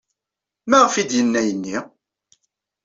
Maɣef ay d-yenna ayenni?